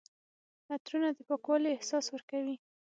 عطرونه د پاکوالي احساس ورکوي.